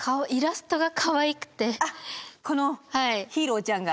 ヒーローちゃんが。